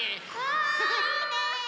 あいいね。